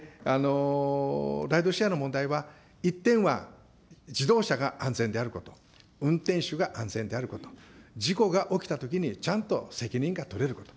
ライドシェアの問題は１点は自動車が安全であること、運転手が安全であること、事故が起きたときにちゃんと責任が取れること。